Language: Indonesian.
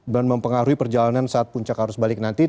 dan mempengaruhi perjalanan saat puncak harus balik nanti